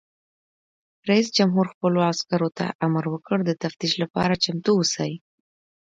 رئیس جمهور خپلو عسکرو ته امر وکړ؛ د تفتیش لپاره چمتو اوسئ!